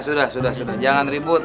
sudah sudah sudah jangan ribut